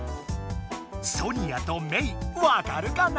ソニアとメイわかるかな？